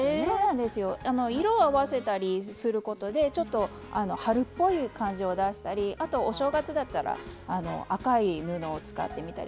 色を合わせたりすることでちょっと春っぽい感じを出したりお正月だったら赤い布を使ってみたり。